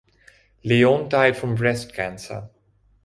Lyon died from breast cancer.